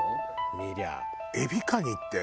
見りゃ。